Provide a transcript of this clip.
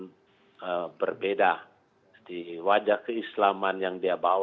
dan saya sendiri merasakan kedatangan raja ini membawa angin segar tentang keislaman yang dihayati dan dialut